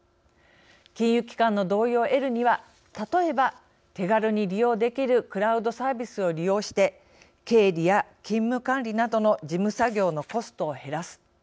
金融機関の同意を得るには例えば、手軽に利用できるクラウドサービスを利用して経理や勤務管理などの事務作業のコストを減らす。